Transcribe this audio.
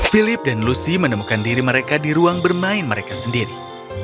philip dan lucy menemukan diri mereka di ruang bermain mereka sendiri